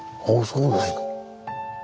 そうですか。